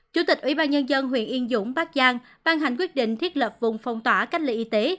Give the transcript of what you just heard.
chủ tịch ủy ban nhân dân huyện yên dũng bắc giang ban hành quyết định thiết lập vùng phong tỏa cách ly y tế